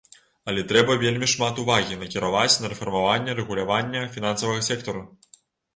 Але трэба вельмі шмат увагі накіраваць на рэфармаванне рэгулявання фінансавага сектару.